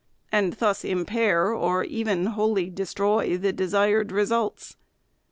and thus impair or even wholly destroy the desired results.